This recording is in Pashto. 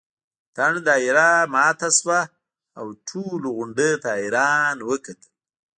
اتڼ دایره ماته شوه او ټولو غونډۍ ته حیران وکتل.